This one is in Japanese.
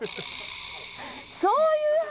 そういう話？